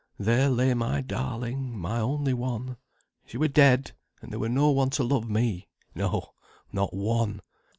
There lay my darling, my only one. She were dead, and there were no one to love me, no, not one.